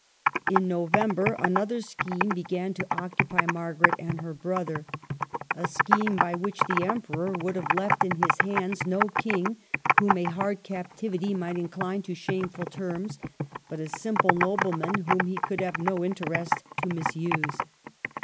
In November another scheme began to occupy Margaret and her brother, — a scheme by which the Emperor would have left in his hands no king whom a hard captivity might incline to shameful terms, but a simple nobleman whom he could have no interest to misuse.